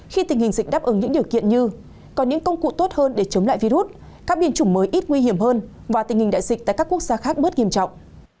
khi tình hình dịch đáp ứng những điều kiện như có những công cụ tốt hơn để chống lại virus các biến chủng mới ít nguy hiểm hơn và tình hình đại dịch tại các quốc gia khác bớt nghiêm trọng